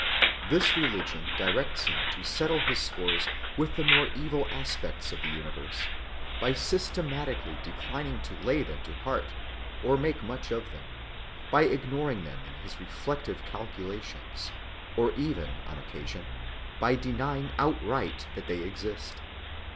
This religion directs him to settle his scores with the more evil aspects of the universe by systematically declining to lay them to heart or make much of them, by ignoring them in his reflective calculations, or even, on occasion, by denying outright that they exist.